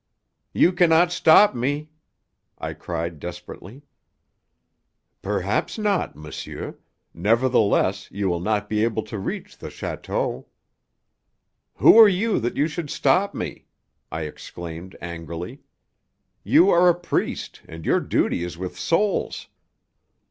"You cannot stop me!" I cried desperately. "Perhaps not, monsieur; nevertheless, you will not be able to reach the château." "Who are you that you should stop me?" I exclaimed angrily. "You are a priest, and your duty is with souls."